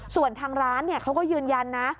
ส่วนทางร้านเขาก็ยืนยันนะ